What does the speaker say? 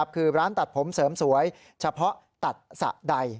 คือร้านตัดผมเสริมสวยเฉพาะตัดสะใด